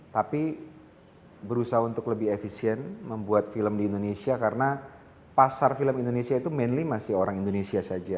tapi berusaha untuk lebih efisien membuat film di indonesia karena pasar film indonesia itu mainly masih orang indonesia saja